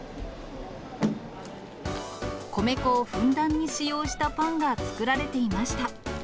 米粉をふんだんに使用したパンが作られていました。